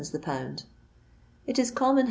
the pound. It is common, howe?